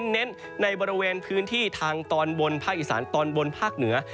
เน้นในบริเวณพื้นที่ทางตอนบนภาคอีสานตอนบนภาคเหนือ